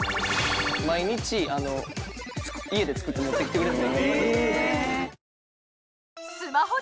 毎日家で作って持ってきてくれた。